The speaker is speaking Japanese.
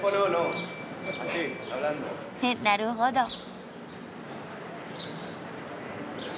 なるほど。